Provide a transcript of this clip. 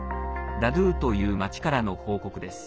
ダドゥーという町からの報告です。